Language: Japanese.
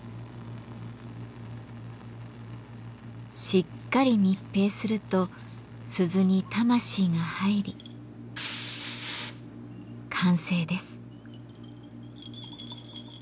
しっかり密閉すると鈴に魂が入り完成です。